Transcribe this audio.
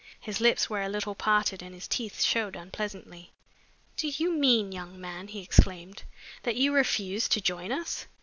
His lips were a little parted and his teeth showed unpleasantly. "Do you mean, young man," he exclaimed, "that you refuse to join us?"